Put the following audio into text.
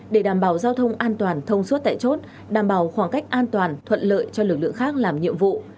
để đảm bảo giao thông an toàn thông suốt tại chốt đảm bảo khoảng cách an toàn thuận lợi cho lực lượng khác làm nhiệm vụ